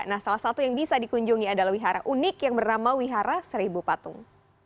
nah salah satu yang bisa dikunjungi adalah wihara unik yang bernama wihara seribu patung